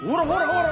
ほら！